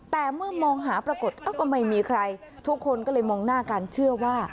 แต่เมื่อมองหาปรากฏก็ไม่มีใครทุกคนก็เลยมองหน้ากันเชื่อว่า